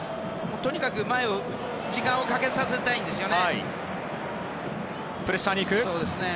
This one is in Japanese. とにかく時間をかけさせたいんですよね。